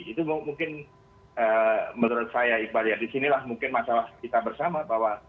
itu mungkin menurut saya iqbal ya disinilah mungkin masalah kita bersama bahwa